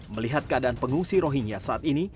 melihat keadaan pengungsi rohingya saat ini